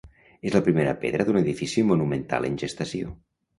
És la primera pedra d'un edifici monumental en gestació.